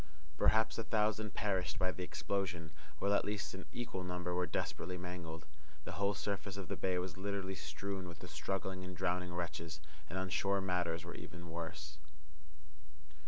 Perhaps a thousand perished by the explosion, while at least an equal number were desperately mangled. The whole surface of the bay was literally strewn with the struggling and drowning wretches, and on shore matters were even worse.